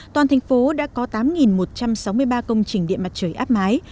toàn thành phố đã có tám một trăm sáu mươi ba công trình điện mặt trời áp mái